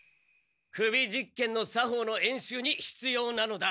首実検の作法の演習に必要なのだ。